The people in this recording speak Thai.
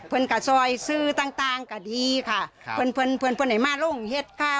เพื่อนกับซ่อยซื้อต่างต่างกับดีค่ะครับเพื่อนเพื่อนเพื่อนเพื่อนไหนมาโล่งเห็ดค่ะ